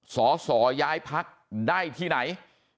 สยพได้ที่ไหน